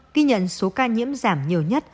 ghi nhận số ca nhiễm giảm nhiều nhất